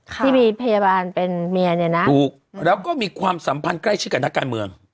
ที่มีพยาบาลเป็นเมียเนี่ยนะถูกแล้วก็มีความสัมพันธ์ใกล้ชิดกับนักการเมือง